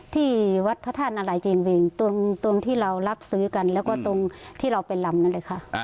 ที่วัดพระท่านอลัยเจงวิงตรงตรงที่เรารับซื้อกันแล้วก็ตรงที่เราเป็นรำนั่นเลยค่ะ